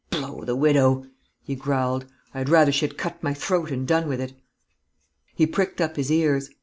"Blow the widow!" he growled. "I had rather she had cut my throat and done with it." He pricked up his ears.